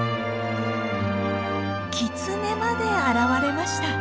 キツネまで現れました。